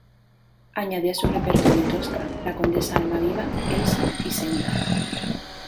Añadió a su repertorio Tosca, la Condesa Almaviva, Elsa y Senta.